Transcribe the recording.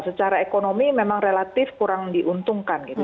secara ekonomi memang relatif kurang diuntungkan gitu